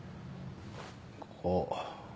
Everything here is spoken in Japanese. ここ。